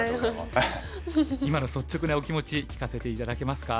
今の率直なお気持ち聞かせて頂けますか？